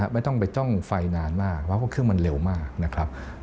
ไม่ต้องไปจ้องไฟนานมากเพราะว่าเครื่องมันเร็วมากนะครับ